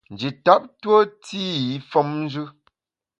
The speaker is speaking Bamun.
Nji tap tue té i femnjù.